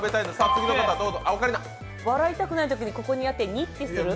笑いたくないときにここでやってニッてする。